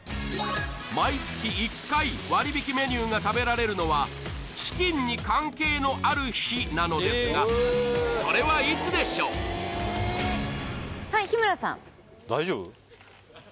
毎月１回割引メニューが食べられるのはチキンに関係のある日なのですがそれはいつでしょうはい日村さん大丈夫？